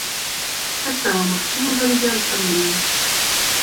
Таксама магчымы варыянт абмену.